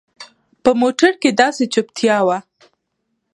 په موټر کښې داسې چوپتيا وه.